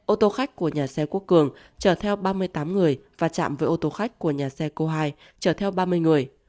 ô tô khách của nhà xe quốc cường chở theo ba mươi tám người và chạm với ô tô khách của nhà xe cô hai chở theo ba mươi người